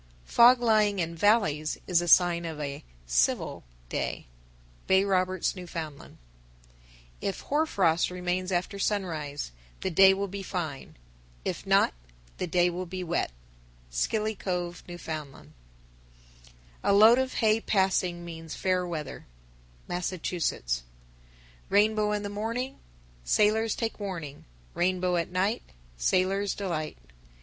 _ 972. Fog lying in valleys is a sign of a "civil" day. Bay Roberts, N.F. 973. If hoar frost remains after sunrise, the day will be fine; if not, the day will be wet. Scilly Cove, N.F. 974. A load of hay passing means fair weather. Massachusetts. 975. Rainbow in the morning, Sailors take warning; Rainbow at night, Sailor's delight.